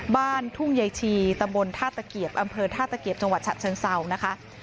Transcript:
บ้านทุ่งยายชีตำบลท่าตะเกียบอำเภอท่าตะเกียบจังหวัดฉะเชิงเศร้านะคะ